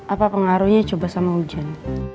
apa pengaruhnya coba sama hujan